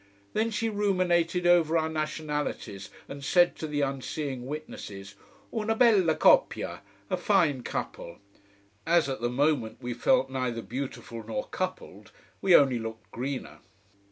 Then she ruminated over our nationalities and said, to the unseeing witnesses: Una bella coppia, a fine couple. As at the moment we felt neither beautiful nor coupled, we only looked greener.